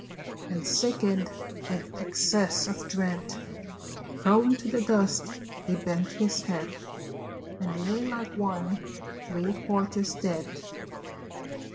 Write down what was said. And, sickened with excess of dread, Prone to the dust he bent his head, And lay like one three quarters dead.